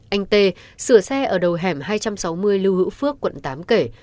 anh tê sửa xe ở đầu hẻm hai trăm sáu mươi lưu hữu phước quận tám kể